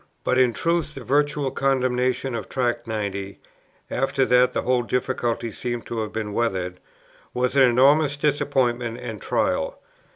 But in truth the virtual condemnation of Tract 90, after that the whole difficulty seemed to have been weathered, was an enormous disappointment and trial.